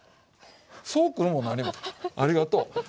そうくるもなにもありがとう。